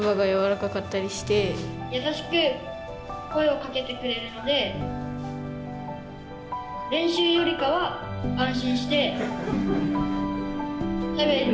優しく声をかけてくれるので練習よりかは安心してしゃべれました。